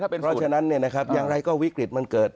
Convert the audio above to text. เพราะฉะนั้นอย่างไรก็วิกฤตมันเกิด